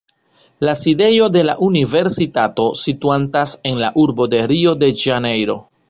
La sidejo de la universitato situantas en la urbo de Rio-de-Ĵanejro.